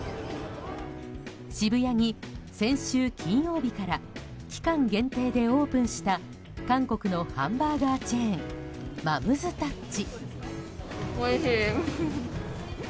渋谷に先週金曜日から期間限定でオープンした韓国のハンバーガーチェーンマムズタッチ。